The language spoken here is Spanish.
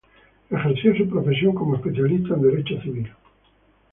Ejerció su profesión como especialista en Derecho Civil.